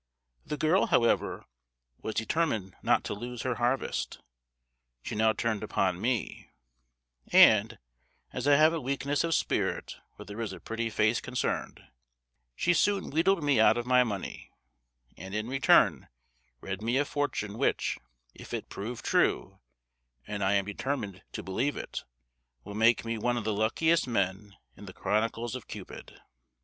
The girl, however, was determined not to lose her harvest. She now turned upon me, and, as I have a weakness of spirit where there is a pretty face concerned, she soon wheedled me out of my money, and in return read me a fortune which, if it prove true, and I am determined to believe it, will make me one of the luckiest men in the chronicles of Cupid.